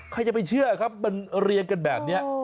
ใครจะไปเชื่อครับมันเรียงกันแบบนี้